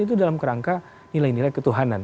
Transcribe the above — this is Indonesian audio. itu dalam kerangka nilai nilai ketuhanan